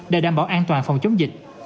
để đảm bảo an toàn phòng chống dịch